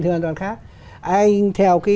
thì hoàn toàn khác anh theo cái